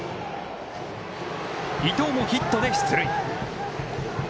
伊藤もヒットで出塁。